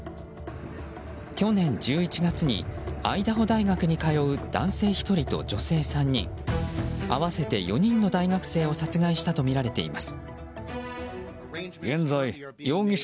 去年１１月にアイダホ大学に通う男性１人と女性３人合わせて４人の大学生を殺害したとみられています。